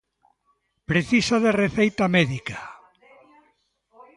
Precisa de receita médica.